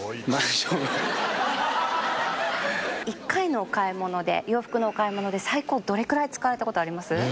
１回のお買い物で洋服のお買い物で最高どれくらい使われたことあります？